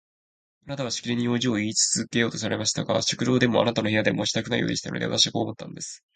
あなたはしきりに用事をいいつけようとされましたが、食堂でもあなたの部屋でもしたくないようでしたので、私はこう思ったんです。